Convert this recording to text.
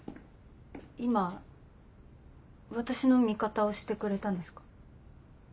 今私の味方をしてくれたんですか？